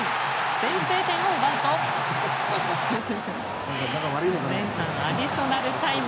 先制点を奪うと前半アディショナルタイム。